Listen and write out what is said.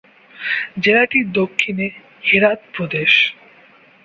জেলাটির দক্ষিণে হেরাত প্রদেশ।